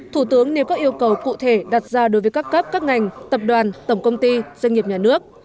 thủ tướng nêu các yêu cầu cụ thể đặt ra đối với các cấp các ngành tập đoàn tổng công ty doanh nghiệp nhà nước